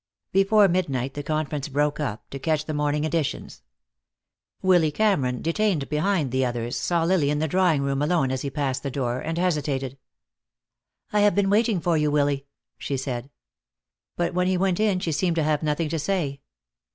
Before midnight the conference broke up, to catch the morning editions. Willy Cameron, detained behind the others, saw Lily in the drawing room alone as he passed the door, and hesitated. "I have been waiting for you, Willy," she said. But when he went in she seemed to have nothing to say.